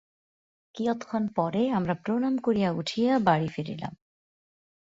কিয়ৎক্ষণ পরে আমরা প্রণাম করিয়া উঠিয়া বাটী ফিরিলাম।